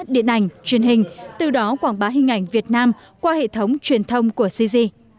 điện ảnh truyền hình từ đó quảng bá hình ảnh việt nam qua hệ thống truyền thông của cg